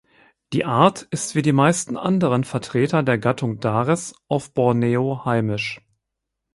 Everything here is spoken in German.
Die Art ist wie die meisten anderen Vertreter der Gattung "Dares" auf Borneo heimisch.